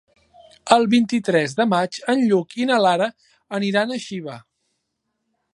El vint-i-tres de maig en Lluc i na Lara aniran a Xiva.